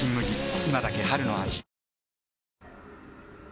今だけ春の味